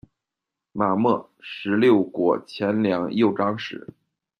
马谟，十六国前凉右长史。